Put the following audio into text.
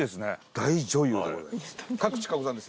大女優でございます。